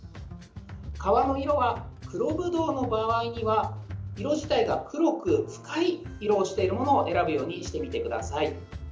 皮の色は、黒ぶどうの場合には色自体が黒く深い色をしているものを選ぶようにしてみてください。